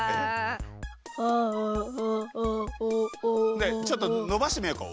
ねえちょっとのばしてみようか。